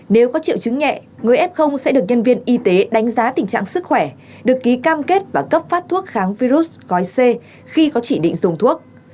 nếu có triệu chứng nhẹ người f sẽ được nhân viên y tế đánh giá tình trạng sức khỏe được ký cam kết và cấp phát thuốc kháng virus gói c khi có chỉ định dùng thuốc